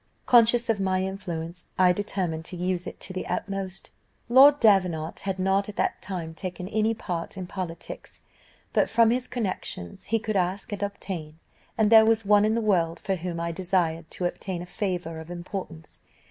Conscious of my influence, I determined to use it to the utmost. "Lord Davenant had not at that time taken any part in politics, but from his connections he could ask and obtain; and there was one in the world for whom I desired to obtain a favour of importance.